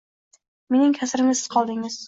Mening kasrimga siz qoldingiz!